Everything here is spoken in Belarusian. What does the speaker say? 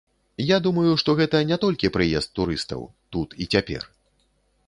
Я думаю, што гэта не толькі прыезд турыстаў тут і цяпер.